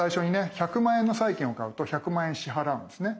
１００万円の債券を買うと１００万円支払うんですね。